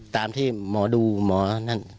ตามที่หมอดูหมอนั่น